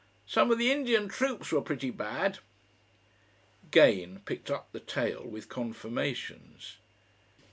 Some of the Indian troops were pretty bad." Gane picked up the tale with confirmations.